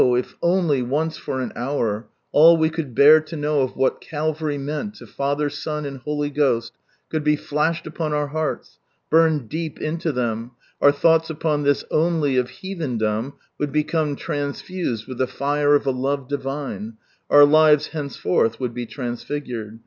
if only once for an hour, all we could bear to know of what Calvary meant to P"ather, Son, and Holy Ghost, could be flashed upon our hearts, burned deep into them, our thovights upon this "only" of heathendom would become transfused with the fire of a Love Divine, our lives henceforth would be transfigured.